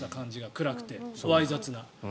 暗くて、わい雑な。